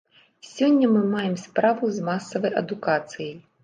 Сёння мы маем справу з масавай адукацыяй.